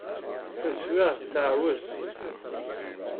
Taswiεt teεweṣ.